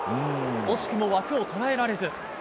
惜しくも枠を捉えられず。